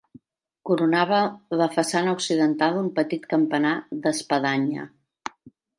Coronava la façana occidental un petit campanar d'espadanya.